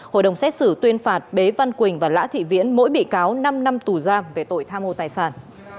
hội đồng xét xử tuyên phạt bế văn quỳnh và lã thị viễn mỗi bị cáo năm năm tù giam về tội tham mô tài sản